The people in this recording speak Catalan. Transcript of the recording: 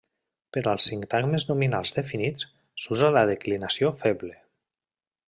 Per als sintagmes nominals definits, s'usa la declinació feble.